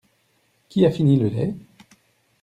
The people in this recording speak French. Qui a fini le lait?